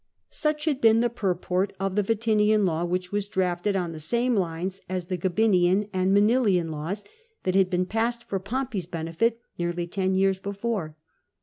Such had been the purport of the Vatinian Law, which was drafted on the same lines as the Gabinian and Manilian Laws that had been passed for Pompey's benefit nearly ten years before.